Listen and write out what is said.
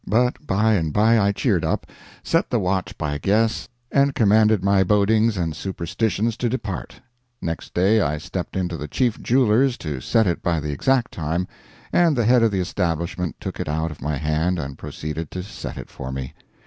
But by and by I cheered up, set the watch by guess, and commanded my bodings and superstitions to depart. Next day I stepped into the chief jeweler's to set it by the exact time, and the head of the establishment took it out of my hand and proceeded to set it for me.